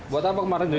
buat apa kemarin duitnya